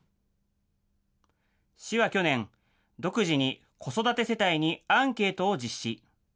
市は去年、独自に子育て世帯にアンケートを実施。